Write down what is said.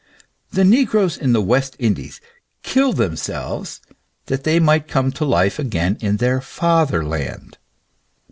The negroes in the West Indies killed themselves that they might come to life again in their father land.